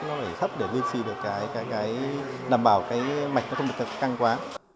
nó phải thấp để duy trì được cái cái cái đảm bảo cái mạch nó không được thật căng quá